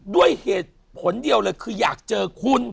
ด้วยเหตุผลเดียวเลยคืออยากเจอคุณ